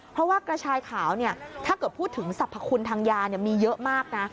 เพราะว่ากระชายขาวถ้าเกิดพูดถึงสรรพคุณทางยามีเยอะมากนะ